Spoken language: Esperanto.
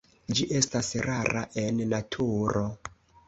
Ĝi estas rara en naturo.